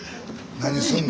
何すんの？